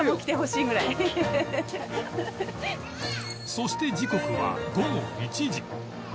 そして時刻は午後１時